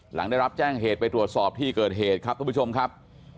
หลังได้รับแจ้งเหตุไปตรวจสอบที่เกิดเหตุครับทุกผู้ชมครับ